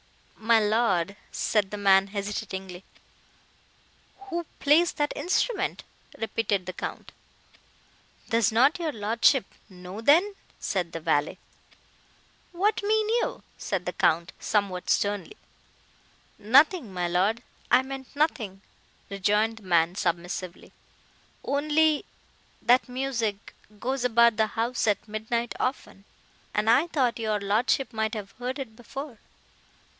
"My lord!" said the man, hesitatingly. "Who plays that instrument?" repeated the Count. "Does not your lordship know, then?" said the valet. "What mean you?" said the Count, somewhat sternly. "Nothing, my Lord, I meant nothing," rejoined the man submissively—"Only—that music—goes about the house at midnight often, and I thought your lordship might have heard it before."